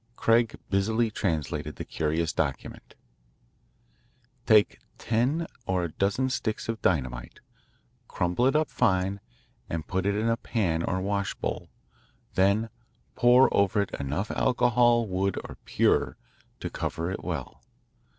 Craig busily translated the curious document: Take ten or a dozen sticks of dynamite, crumble it up fine, and put it in a pan or washbowl, then pour over it enough alcohol, wood or pure, to cover it well.